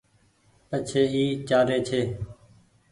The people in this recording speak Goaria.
پڇي اي چآلي ڇي۔